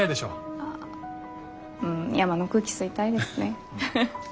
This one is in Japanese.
ああうん山の空気吸いたいですね。